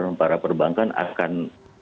dan para perbankan akan